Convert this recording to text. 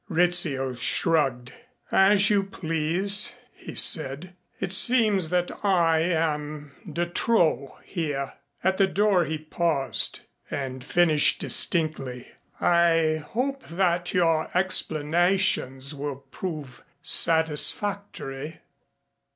Rizzio shrugged. "As you please," he said. "It seems that I am de trop here." At the door he paused and finished distinctly. "I hope that your explanations will prove satisfactory."